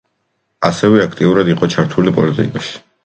ასევე აქტიურად იყო ჩართული პოლიტიკაში.